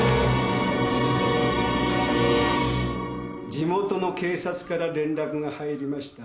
地元の警察から連絡が入りました。